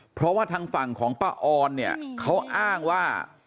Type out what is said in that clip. เพราะว่าทางฝั่งของป้าออนเนี่ยเขาอ้างว่า